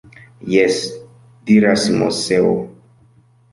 Jes! diras Moseo.